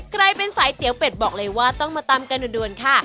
ใครเป็นสายเตี๋ยวเป็ดบอกเลยว่าต้องมาตามกันด่วนค่ะ